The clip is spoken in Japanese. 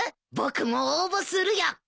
僕も応募するよ。